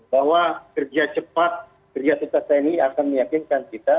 saya yakin bahwa kerja cepat tni akan meyakinkan kita